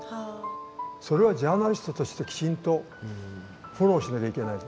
それはジャーナリストとしてきちんとフォローしなきゃいけない。